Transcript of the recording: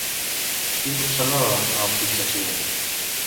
Qui l'observava amb fixació?